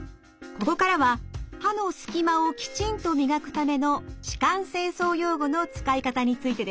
ここからは歯の隙間をきちんと磨くための歯間清掃用具の使い方についてです。